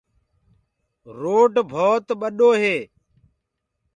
روڊ ڀوت ٻڏو هي۔